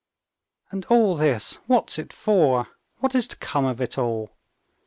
"And all this, what's it for? What is to come of it all?